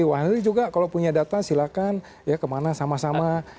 wah nanti juga kalau punya data silahkan ya kemana sama sama